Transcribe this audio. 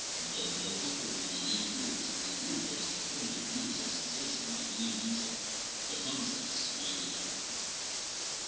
Though no effort will here be made to review those alternative views of sensation in any detail, the contrasts may be helpful.